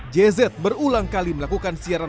jz berulang kali melakukan siaran